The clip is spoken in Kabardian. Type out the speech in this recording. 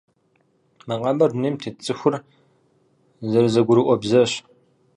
Макъамэр дунейм тет цӏыхур зэрызэгурыӏуэ бзэщ.